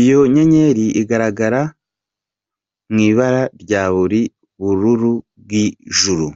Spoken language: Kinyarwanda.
iyo nyenyeri ikagaragara mw’ibara rya buriya bururu bw’ijuru.